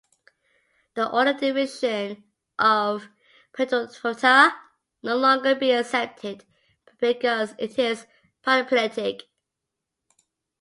The older division of Pteridophyta no longer being accepted, because it is paraphyletic.